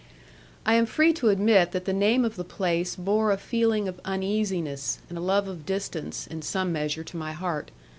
I am free to admit that the name of the place bore a feeling of uneasiness, and a love of distance, in some measure to my heart.